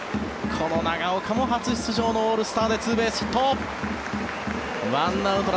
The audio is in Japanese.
この長岡も初出場のオールスターでツーベースヒット。